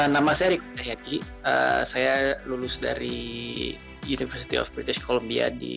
nama saya rico cayadi saya lulus dari university of british columbia